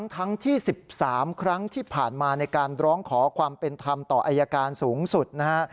ทั้งที่๑๓ครั้งที่ผ่านมาในการร้องขอความเป็นธรรมต่ออายการสูงสุดนะฮะ